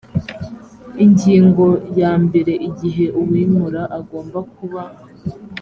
ingingo ya mbere igihe uwimura agomba kuba